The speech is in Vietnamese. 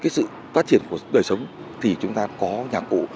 cái sự phát triển của đời sống thì chúng ta có nhạc cụ